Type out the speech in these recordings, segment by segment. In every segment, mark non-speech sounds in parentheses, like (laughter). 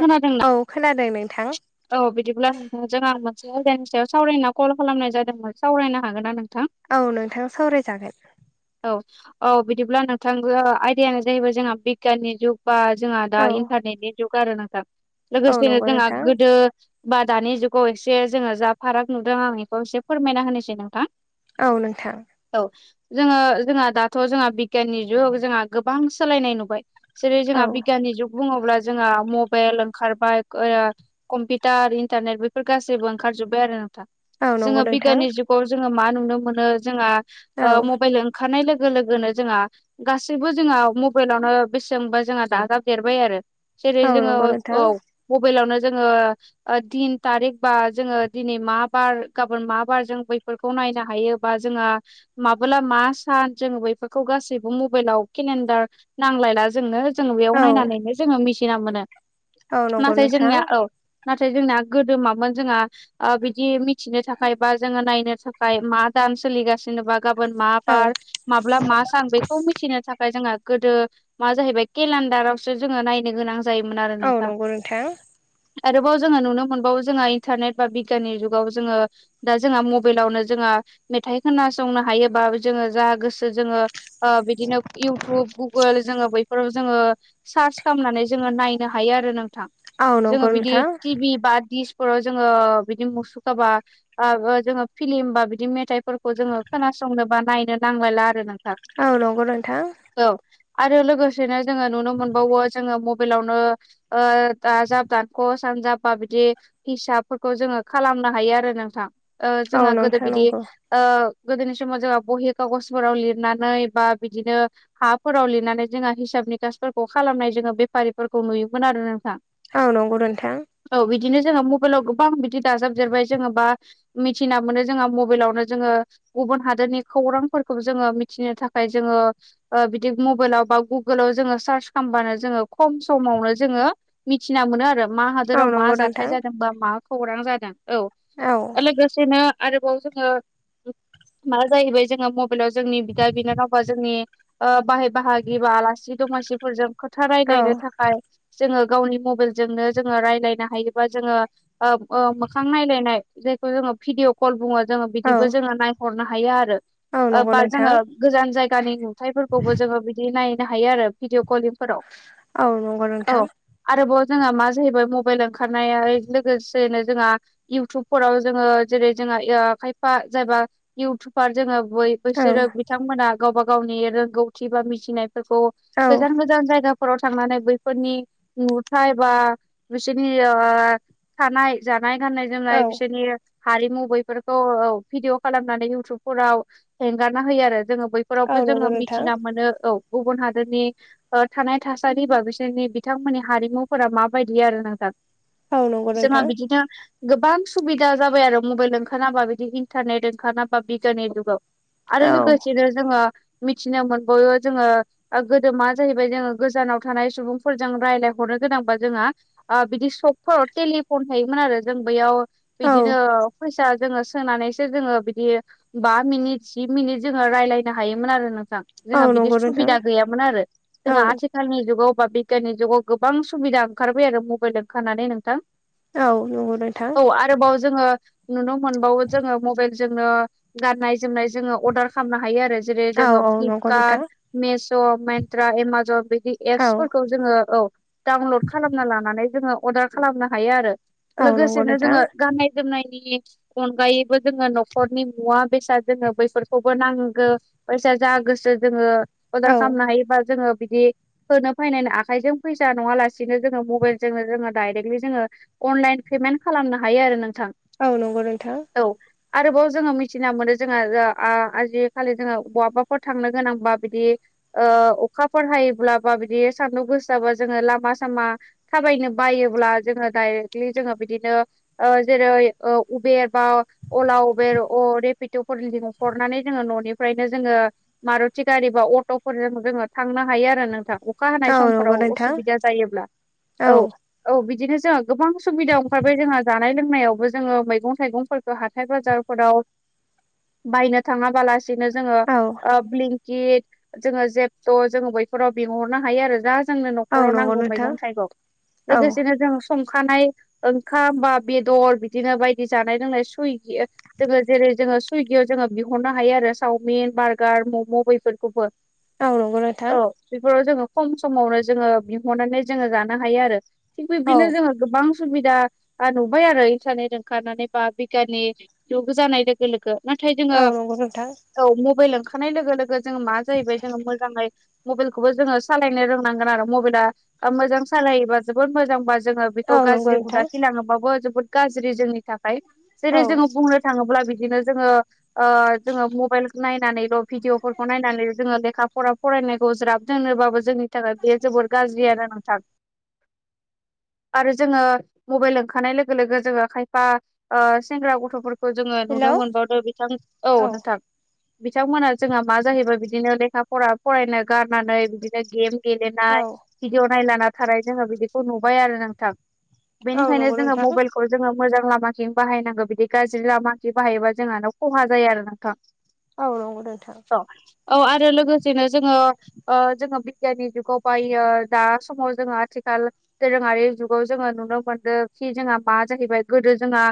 खोनादोंना? औ खोनादों नोंथां। औ बिदिब्ला नोंजों आं मोनसे आयदानि सायाव सावरायना कल खालामनाय जादोंमोन सावरायनो हागोन ना नोंथां? औ नोंथां सावरायजागोन। औ औ बिदिब्ला नोंथां आयदायानो जाहैबाय जोंहा बिगियाननि जुग बा जोंहा दा औ इन्टारनेटनि जुग आरो नोंथा औ लोगोसेनो नंगौ जोंहा नोंथां गोदो बा दानि जुगाव एसे जोङो जा फाराग नुदों आं इखौ एसे फोरमायना होनोसै नोंथां। औ नोंथां। औ जोङो जोंहा दाथ' जोंहा बिगियाननि जुग जोंहा गोबां सोलायनाय नुबाय। जेरै औ जोंहा बिगियाननि जुग बुङोब्ला जोंहा मबेइल ओंखारबाय ओ कम्पिउटार इन्टारनेट बेफोर गासैबो ओंखारजोबबाय आरो नोंथा औ नंगौ जोङो नोंथां बिगियाननि जुग गाव जोङो मा नुनो मोनो जोंहा औ ओ मबेइल ओंखारनाय लोग लोगो लोगोनो जोंहा गासैबो जोंहा मबेइलावनो बेसेबांबा जोंहा दाजाबदेरबाय आरो। जेरै औ जोङो नंगौ नोंथां औ मबेइलावनो जोङो ओ दिन थारिख बा जोङो दिनै मा बार गाबोन मा बार जों बैफोर खौ नायनो हायो बा जोंहा माबोला मा सान जों बैफोरखौ गासैबो मबेइलाव केलेन्डार नांलायला जोङो। जों बेयाव औ नायनानैनो जोङो मिसिना मोनो औ नंगौ नाथाय नोंथां जोंनिया औ नाथाय जोंना गोदो मामोन जोंहा आ बिदि मिथिनो थाखाय बा जोङो नायनो थाखाय मा दान सोलिगासिनोबा गाबोन मा औ बार माब्ला मा सान बेखौ मिथिनो थाखाय जोंहा गोदो मा जाहैबाय केलानडारावसो जोङो नायनो गोनां जायोमोन आरो औ नोंथां नंगौ नोंथां। आरोबाव जोङो नुनो मोनबावो जोंहा इन्टारनेट बा बिगियाननि जुगाव जोङो दा जोंहा मबाइलावनो जोङा मेथाइ खोनासंनो हायो बा जोङो जा गोसो जोङो ओ बिदिनो इउटुब गुगोल जोङो बै फोराव जोङो सार्च खामनानै जोङो नायनो हायो आरो नोंथां। औ जोङो नंगौ बिदि नोंथां टिभि बा दिसकफोराव जोङो बिदि मुसुखाबा आ ओ जोङो फिलिम बा बिदि मेथाइफोरखौ जोङो खोनासंनो बा नायनो नांलायला आरो ना। औ नंगौ नोंथां। औ आरो लोगोसेनो जोङो नुनो मोनबावो जोङो मबेलावनो ओ दाजाब दानख सानजाब बा बिदि हिसाबफोरखौ जोङो खालामनो हायो आरो नोंथां। ओ औ जोंहा गोदो नोंथां बिदि नंगौ ओ गोदोनि समाव जोंहा बहि कागजफोराव लिरनानै बा बिदिनो हाफोराव लिरनानै जोंहा हिसाब निकासफोरखौ खालामनाय जोङो बेफारिफोरखौ नुयोमोन आरो नोंथां। औ नंगौ नोंथां। औ बिदिनो जोङो मबेइलाव गोबां बिदि दाजाबदेरबाय जोङोबा मिथिना मोनो जोंहा मबेइलावनो जोङो गुबुन हादोरनि खौरांफोरखौ जोङो मिथिनो थाखाय जोङो ओ बिदि मबेइलाव बा गुगोलाव जोङो सार्च खामबानो जोङो खम समावनो जोङो मिथिना मोनो आरो मा औ हादोराव मा नंगौ नोंथां जाथाय जादों बा मा खौरां जादों। औ औ लोगो सिनो आरोबाव जोङो मा जाहैबाय जोङो मबाइलाव जोंनि बिदा बिनानावबा जोंनि ओ बाहाय बाहागि बा आलासि दमासिफोरजों खोथा औ रायलायनो थाखाय जोंङो गावनि मबाइलजोंनो जोंङो रायलायनो हायोबा जोङो ओ ओ मोखां नायलायनाय जायखौ जोंङो भिदिअ कल बुंङो जोंङो औ बिदिबो जोङो नायहरनो हायो आरो औ ओ नंगौ बा नोंथां जोङो गोजान जायगानि नुथायफोरखौबो जोङो बिदि नायनो हायो आरो भिडिअ कलिंफोराव। औ नंगौ औ नोंथां। आरोबाव जोंहा मा जाहैबाय मबाइल ओंखारनाया लोगोसेनो जोंहा इउटुबफोराव जोंङो जेरै जोंहा यो खायफा जायबा इउटुबार जोङो बै औ बिसोरो बिथांमोना गावबा गावनि रोंगौथि बा मिथिनायफोरखौ औ गोजान गोजान जायगाफोराव थांनानै बैफोरनि नुथाय बा बिसोरनि ओ थानाय जानाय गाननाय-जोमनाय औ बिसोरनि हारिमु बैफोरखौ औ भिदिअ खालामनानै इउटुबफोराव हेंगारना होयो आरो जोङो बै फोरावबो औ जोंङो नंगौ नोंथां मिथिना मोनो औ गुबुन हादोरनि ओ थानाय थासारि बा बिसोरनि बि बिथांमोननि हारिमुफोरा माबायदि आरो नोंथां। औ नंगौ जोंहा नोंथां बिदिनो गोबां सुबिदा जाबाय आरो मबाइल ओंखारनाबा बिदि इन्टारनेट ओंखारनाबा बिगियाननि जुगाव। आरो औ लोगोसेनो जोंङो मिथिनो मोनबावो जोंङो गोदो मा जाहैबाय जोंङो गोजानाव थानाय सुबुं फोरजों रायलाइहरनो गोनांबा जोंहा आ बिदि सकफोराव टेलिफन थायोमोन आरो जों बैयाव औ बिदिनो फैसा जोंङो सोनानैसो जोङो बिदि बा मिनिट जि मिनिट जोंङो रायलायनो हायोमोन आरो नोंथां। औ जोङा बिदि नंगौ नोंथां सुबिदा गैयामोन आरो जोंहा औ आथिखालनि जुगाव बा बे बिगियाननि जुगाव गोबां सुबिदा ओंखारबाय आरो मबाइल ओंखारनानै नोंथां। औ नंगौ नोंथां। औ आरोबाव जोंङो नुनो मोनबावो जोंङो मबेलजोंनो गाननाय-जोमनाय जोङो अर्डार खालामनो हायो आरो जेरै औ जोङो औ नंगौ नोंथां फ्लिपकार्ट मेस', मेत्रा, एमज'न बिदि औ एप्सफोर खौ जोङो औ डाउनलड खालामना लानानै जोंङो अर्डार खालामनो हायो आरो। औ नंगौ लोगोसेनो नोंथां जोङो गाननाय-जोमनायनि अनगायैबो जोंङो न'खरनि मुवा-बेसाद जोङो बैफोरखोबो नांगो। फैसा जा गोसो जोंङो अर्दार औ खामनो हायो बा जोंङो बिदि होनो फायनायनि आखाइजों फैसा नंङालासिनो जोङो मबाइलजोंनो जोङो डाइरेक्टलि जोङो अनलाइन पेमेन्ट खालामनो हायो आरो नोंथां। औ नंगौ नोंथां। औ। आरोबाव जोङो मिथिना मोनो जोङो ओ आ-आजिखालि जोङो बहाबाफोर थांनो गोनांबा बिदि ओ अखाफोर हायोब्ला बा बिदि सान्दुं गोसाबा जोङो लामा सामा थाबायनो बायोब्ला जोङो डाइरेक्टलि जोङो बिदिनो ओ जेरै ओ उबेर बा अलाव, बेर अ रेपिट'फोर लिंहरनानै जोङो न'निफ्रायनो जोङो मारुथि गारि बा अट'फोरजों जोङो थांनो हायो आरो नोंथां। अखा हानाय औ नंगौ समफोराव नोंथां असुबिदा जायोब्ला औ औ बिदिनो जों गोबां सुबिदा ओंखारबाय जोंहा जानाय लोंनायावबो जोङो मै मैगं-थाइगंफोरखौ हाथाइ बाजारफोराव बायनो थाङाबालास बिदिनो जोंङो औ ओ ब्लिंकिद जोङो जेप्त जोङो बैफोराव बिहर बिहरनो हायो आरो जा जोंनो औ न'खराव नंगौ नांगौ नोंथां मैगं-थाइगं औ लोगोसेनो जों संखानाय ओंखाम बा बेदर बिदिनो बायदि जानाय लोंनाय सुइगि जोंङो जेरै जोंङो सुइगियाव जोङो बिहरनो हायो आरो चावमिन, बार्गार, मम' बैफोरखौबो। औ नंगौ नोंथां औ बेफोराव जोङो खम समावनो जोङो बिहरनानै जोङो जानो हायो आरो। थिग औ बिब्दिनो जोङो गोबां सुबिदा आ नुबाय आरो इन्टारनेट ओंखारनानै बा बिगियाननि (unintelligible) जानाय लोगो लोगो नाथाय जोङो औ नंगौ नोंथां औ मबाइल ओंखारनाय लोगो लोगो जोङो मा जाहैबाय जोङो मोजाङै मबाइलखौबो जोङो सालायनो रोंनांगोन आरो। मबाइला मोजां सालायोबा जोबोद मोजांबा जोङो बेखौ औ नंगौ गाज्रि हुदा नोंथां खिथिलाङोबाबो जोबोद गाज्रि जोंनि थाखाय। जेरै औ जोङो बुंनो थाङोब्ला बिदिनो जोङो ओ जोङो मबाइल नायनानैल' भिडिय'फोरखौ नायनानै जोङो लेखा फरा फरायनायखौ ज्राब दोननोबाबो जोंनि थाखाय बेयो जोबोर गाज्रि आरो नोंथां। आरो जोङो मबाइल ओंखारनाय लोगो लोगो जोङो खायफा ओ सेंग्रा गथ'फोर खौ जोङो नुनो हेलौ मोनबावदों बिथां, औ नोंथां। बिथांमोना जोंहा मा जाहैबाय बिदिनो लेखा फरा फरायनो गारनानै बिदिनो गेम औ गेलेनाय भिडिअ' नायलाना थानाय जोङो बिदिखौ नुबाय आरो नोंथां। औ बेनिखायनो नंगौ जोङो नोंथां मबाइलखौ जोङो मोजां लामाथिं बाहायनांगौ बिदि गाज्रि लामाथिं बाहायोबा जोंहानो खहा जायो आरो नोंथां। (inaudible) औ नंगौ नोंथां। औ आरो लोगोसेनो जोङो ओ जोङो (unintelligible) बिगियाननि जुगाव बायो दा समाव जोङो आथिखाल दोरोङारि जुगाव जोङो नुनो मोनदों खि जोंहा मा जाहैबाय गोदो जोंहा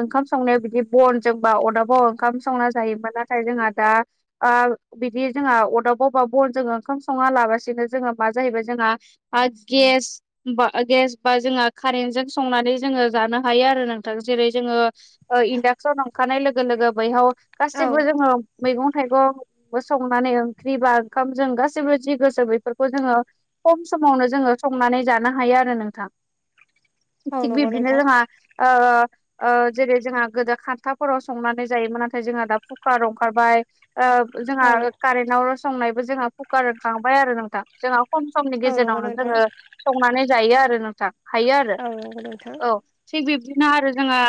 ओंखाम संनायाव बिदि बनजोंबा अरदाबाव ओंखाम संना जायोमोन। नाथाय जोंहा दा ओ बिदि जोंहा अरदाबाव बा बनजों ओंखाम सङा लाबासि नो जोङो मा जाहैबाय जोंहा गेस बा ओ गेस बा जोंहा कारेन्टजों संनानै जोङो जानो हायो आरो नोंथां। जेरै जोङो ओ इन्डाक्सन ओंखारनाय लोगो लोगो बैहाव औ गासैबो जोङो मैगं थाइगंबो संनानै ओंख्रि बा ओंखाम जों गासैबो जि गोसो बेफोरखौ जोङो खम समावनो जोङो संनानै जानो हायो आरो नोंथां। औ थिग नंगौ बिबदिनो नोंथां जोंहा आ ओ जेरै जोंहा गोदो खान्थाफोराव संनानै जायोमोन। नाथाय जोंहा दा कुकार ओंखारबाय। ओ जोंहा औ कारेन्टाव संनायबो जोंहा कुकार होनखांबाय आरो नोंथां। जोंहा खम समनि औ नंगौ गेजेरावनो नोंथां जोङो संनानै जायो आरो नोंथां हायो आरो। औ नंगौ नोंथां औ। थिग बिब्दिनो आरो जोंहा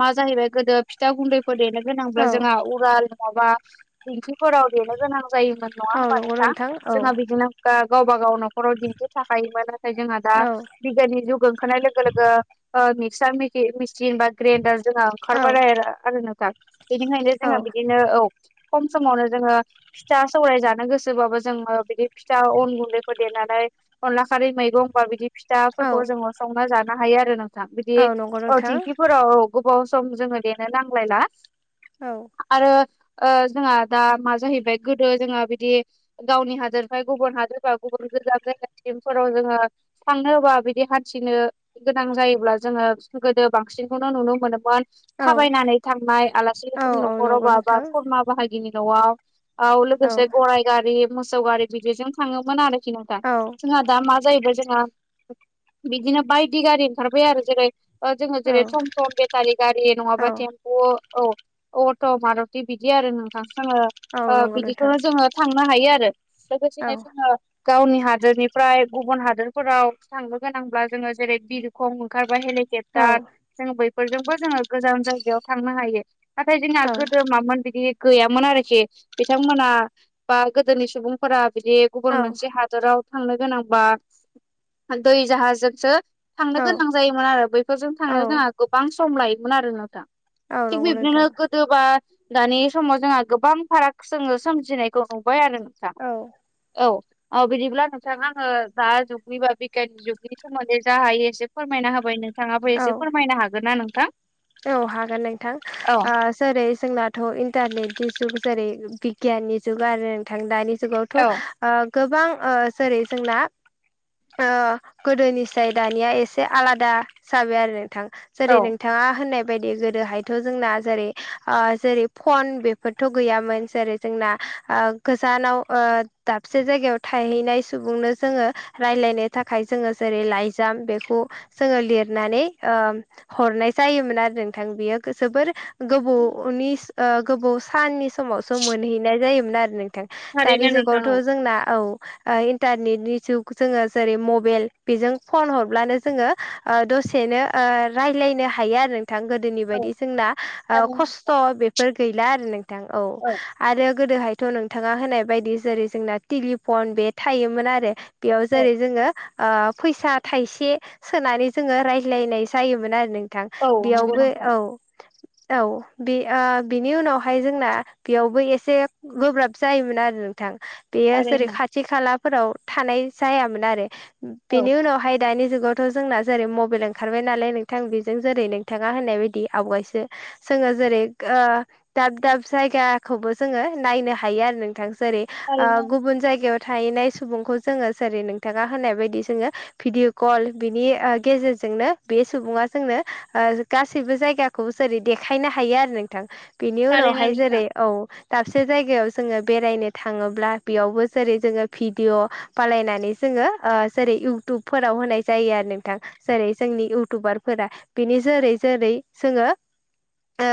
मा जाहैबाय गोदो फिथा गुन्दै देनो गोनांब्ला औ जोंहा उराल नङाबा दिंखिफोराव देनो गोनां जायोमोन नङा औ होनोमबा नंगौ नोंथां? औ जोंहा बिदिनो ओ गावबा गाव न'खराव दिन्थि थाखायोमबानो। थाइ जोंहा दा औ बिगियाननि जुग ओंखोनाय लोगो लोगो ओ मिक्सार मिसिन बा ग्रेन्डार जोंहङो औ ओंखारबार आरो नोंथां बेनिखायनो औ जोंहा बिदि बिदिनो औ खम समावनो जोङो फिथा सौराय जानो गोसोबाबो जोङो बिदि फिथा अन गुन्दैखौ देनानै अनला खारै मैगं बा बिदि औ फिथाफोरखौ जोङो सावना जानो हायो आरो नोंथां बिदि औ नंगौ औ नोंथां दिंखिफोराव गोबाव सम जोङो देनो नांलायला औ आरो ओ जोंहा दा मा जाहैबाय, गोदो जोंहा बिदि गावनि हादोरनिफ्राय गुबुन हादोर बा गुबुन गोजान जायगासिमफोराव जोङो थांनो बा बिदि हान्थिनो गोनां जायोब्ला जोङो गोदो बांसिनखौनो नुनो मोनोमोन औ थाबायनानै थांनाय औ आलासिफोर औ न'खराव नंगौ बा बा नोंथां खुरमा बाहागिनि न'आव औ लोगोसे गराइ गारि, मोसौ गारि बिदिजों थाङोमोन आरोखि नोंथां। औ जोंहा दा मा जाहैबाय जोंहा बिदिनो बायदि गारि ओंखारबाय आरो जेरै ओ जोङो औ जेरै थम थम बेटारि गारि, औ नङाबा टेम अ औ अट' मारतथि बिदि आरो नोंथां जोंङो औ ओ नंगौ नोंथां बिदिखौनो जोङो थांनो हायो आरो औ लोगोसेनो जोङो गावनि हादोरनिफ्राय गुबुन हादोरफोराव थांनो गोनांब्ला जोङो जेरै बिरखं ओंखारबा औ हेलिकप्टार जों बैफोरजोंबो जोङो गोजान जायगायाव थांनो हायो। नाथाय जोंहा गोदोमामोन बिदि गैयामोन आरोखि बिथांमोना बा गोदोनि सुबुंफोरा बिदि गुबुन मोनसे हा हादोराव थांनो गोनांबा दै जाहाजजोंसो औ थांनो गोनां जायोमोन आरो बैफोरजों औ थांनायाव जोंहा गोबां सम लायोमोन आरो नोंथां। औ थिग नंगौ बिबदिनो नोंथां गोदोबा दानि समाव जोंहा गोबां फाराग जोङो सोमजिनायखौ नुबाय आरो नोंथां औ औ औ बिदिब्ला नोंथां आङो दा जुगनि बा बिगियाननि जुगनि सोमोन्दै जा हायो एसे फोरमायना होबाय नों थांङाबो औ एसे फोरमायनो हागोनना नोंथां? औ हागोन नोंथां। औ ओ जेरै जोंनाथ' इन्टारनेटनि जुग जेरै बिगियाननि जुग आरो नोंथां दानि जुगाव। थ' औ ओ गोबां ओ जेरै जोंना ओ गोदोनिफ्राय दानिया एसे आलादा जाबाय आरो नोंथां जेरै नोंथाङा। होननाय बायदि गोदोहायथ' जोंना जेरै जेरै फन बेफोरथ' गैयामोन जेरै जोंना ओ गोजानाव ओ दाबसे जायगायाव थाहैनाय सुबुंनो जोङो राय्लायनो थाखाय जोङो जेरै लाइजाम बेखौ जोङो लिरनानै हरनाय। जायोमोन आरो नोंथां बेयो जोबोर गोबावनि गोबाव साननि समावसो मोनहैनाय जायोमोन आरो नोंथां थारैनो दानि नोंथां जुगावथ' औ जोंना औ ओ इन्टारनेटनि जुग जोङो जेरै मबेल बेजों फन हरब्लानो जोङो। ओ दसेनो ओ रायज्लायनो। हायो आरो नोंथां गोदोनि औ बायदि जोंना थारैनो खस्थ' बेफोर गैला आरो नोंथां। नोंथां औ आरो। गोदोहायथ' नोंथाङा होनाय बायदि जेरै जोंना टेलिफन बे थायोमोन आरो। बेयाव औ जेरै जोङो। ओ फैसा थाइसे सोनानै जोङो रायज्लायनाय जायोमोन आरो नों नोंथां औ नंगौ बेयावबो नोंथां औ। औ बे बिनि उनावहाय जोंना बेयावबो एसे गोब्राब जायोमोन आरो नोंथां। बेयो जेरै थारैनो खाथि खालाफोराव थानाय जायामोन आरो औ बेनि उनावहाय दानि जुगाव थ' जोंना जेरै मबाइल ओंखारबाय नालाय नोंथां बेजों जेरै नोंथाङा होननाय बायदि आवगायसो जोङो जेरै ओ दाब दाब जायगाखौबो जोङो नायनो हायो आरो नोंथां जेरै ओ थारैनो गुबुन जायगायाव थाहैनाय सुबुंखौ जोङो जेरै नोंथाङा होनाय बायदि जोङो। भिडिअ कल बिनि ओ गेजेरजोंनो बे सुबुङा जोंनो ओ गासैबो जायगाखौ जेरै देखायनो हायो आरो नोंथां बेनि थारैनो उनावहाय जेरै नोंथां औ दाबसे जायगायाव जोङो बेरायनो थाङोब्ला बेयावबो जेरै जोङो भिडिअ बानायनानै जोङो ओ जेरै इउटुबफोराव होनाय जायो आरो नोंथां। जेरै जोंनि इउटुबारफोरा बिनि जेरै जेरै जोङो ओ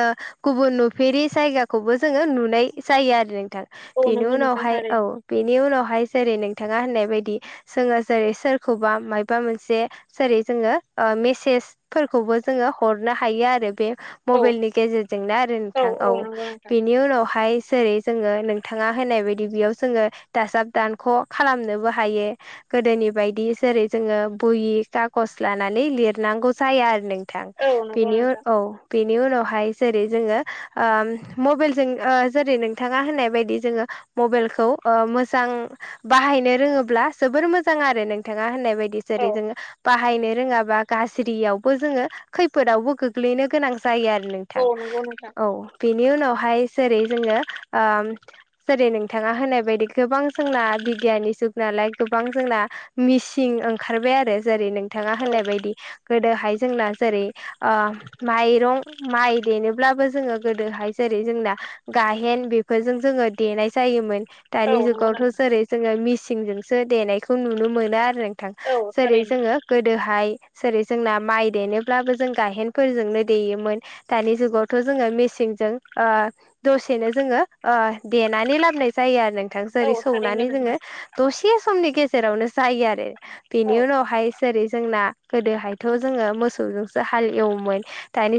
गुबुन नुफेरि जायगाखौबो जोङो नुनाय जायो आरो नोंथां। औ बेनि नंगौ नोंथां उनावहाय औ थारैनो बेनि उनावहाय जेरै नोंथाङा होननाय बायदि। जोङो जेरै सोरखौबा मायबा मोनसे जेरै जोङो मेसेज खौबो जोङो हरनो हायो आरो बे। औ मबाइलनि गेजेरजोंनो आरो नोंथां औ बिनि उनावहाय जेरै जोङो नोंथाङा होनाय बायदि बेयाव जोङो दाजाब दानख' खालामनोबो हायो। गोदोनि बायदि जेरै जोङो बहि खागज लानानै लिरनांगौ जाया आरो। नोंथां औ नंगौ बेनि नोंथां औ। बेनि उनावहाय जेरै जोङो ओ मबाइलजों ओ जेरै नोंथाङा होननाय बायदि जोङो। मबाइलखौ ओ मोजां बाहायनो रोङोब्ला जोबोर मोजां आरो नोंथाङा होननाय बे बायदि औ जेरै जोङो बाहायनो रोंआबा गाज्रिआव जोङो खैफोदावबो गोग्लैनो गोनां जायो आरो नों अ नांगौ नोंथां। बिनि उनावहाय जेरै जोङो ओ जेरै नोंथाङा होनाय बायदि गोबां जोंना बिगियानि जुग नालाय गोबां जोंना मिसिं ओंखारबाय आरो जेरै नोंथाङा औ होननाय बायदि गोदोहाय जोंना जेरै ओ माइरं माइ देनोबब्लाबो जोङो गोदोहाय जेरै जोंना गायेन बे बे फोरजों जोङो देनाय जायोमोन। औ दानि नंगौ जुगावथ' नोंथां जेरै जोङो मिेसिनजोंसो देनायखौ नुनो मोनो आरो। औ जेरै थारैनो जोंङो गोदोहाय जेरै जोंना माइ देनोब्लाबो जों गायहेनफोरजोंनो देयोमोन दानि जुगावथ' जोङो मेसिनजों ओ दसेनो जोङो ओ देनानै लाबोनाय जायो आरो नोंथां जेरै औ थारैनो सौनानै जोङो नोंथां दसे समनि गेजेरावनो जायो आरो औ बेनि उनावहाय जेरै जोंना गोदोहायथ' जोङो मोसौजोंसो हाल एवोमोन दानि